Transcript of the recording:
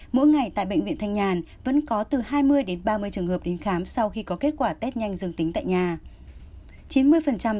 mỗi ngày tại bệnh viện thanh nhàn vẫn có từ hai mươi đến ba mươi trường hợp đến khám sau khi có kết quả test nhanh dường tính tại nhà